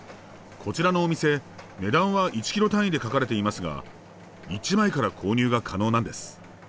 こちらのお店値段は１ｋｇ単位で書かれていますが１枚から購入が可能なんです。